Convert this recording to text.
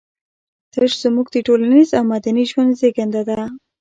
تش زموږ د ټولنيز او مدني ژوند زېږنده دي.